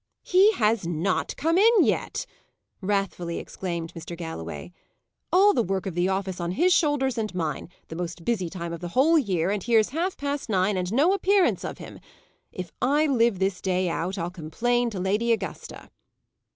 "He has not come yet!" wrathfully exclaimed Mr. Galloway. "All the work of the office on his shoulders and mine, the most busy time of the whole year, and here's half past nine, and no appearance of him! If I live this day out, I'll complain to Lady Augusta!"